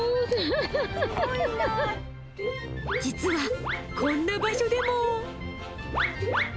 実はこんな場所でも。